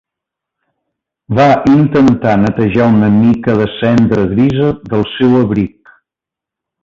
Va intentar netejar una mica de cendra grisa del seu abric.